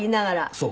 そう。